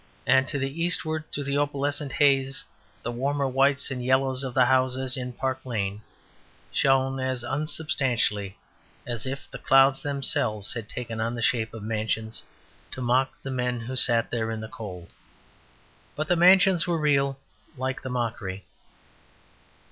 And to eastward through the opalescent haze, the warmer whites and yellows of the houses in Park lane shone as unsubstantially as if the clouds themselves had taken on the shape of mansions to mock the men who sat there in the cold. But the mansions were real like the mockery.